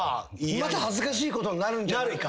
また恥ずかしいことになるんじゃないか。